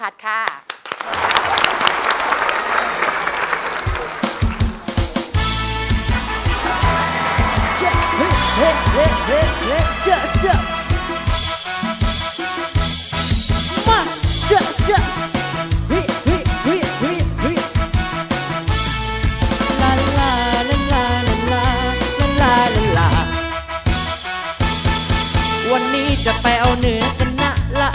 วันนี้จะไปเอาเหนือกันนะล่ะ